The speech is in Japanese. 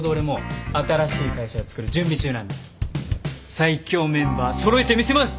最強メンバー揃えてみせます！